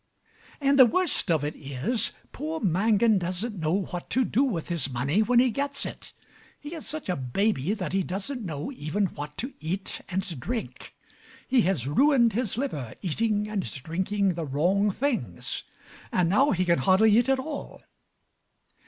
And the worst of it is, poor Mangan doesn't know what to do with his money when he gets it. He is such a baby that he doesn't know even what to eat and drink: he has ruined his liver eating and drinking the wrong things; and now he can hardly eat at all.